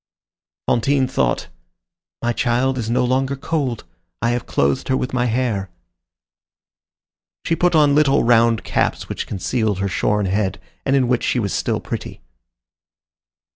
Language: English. Fantine thought: "My child is no longer cold. I have clothed her with my hair." She put on little round caps which concealed her shorn head, and in which she was still pretty.